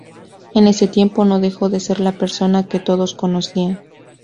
En ese tiempo no dejó de ser la persona que todos conocían.